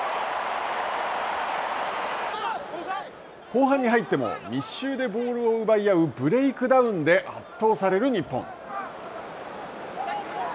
後半に入っても密集でボールを奪い合うブレイクダウンで圧倒される日本。